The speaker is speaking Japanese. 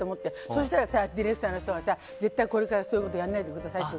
そうしたらディレクターが絶対これからそういうことやらないでくださいって。